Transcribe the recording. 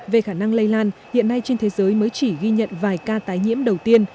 về khả năng lây lan hiện nay trên thế giới mới chỉ ghi nhận vài ca tái nhiễm đầu tiên